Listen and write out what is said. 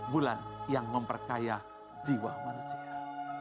bulan yang memperkaya jiwa manusia